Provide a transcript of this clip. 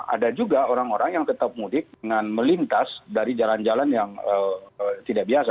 ada juga orang orang yang tetap mudik dengan melintas dari jalan jalan yang tidak biasa